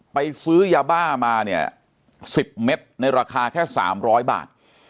ซื้อยาบ้ามาเนี่ย๑๐เม็ดในราคาแค่๓๐๐บาท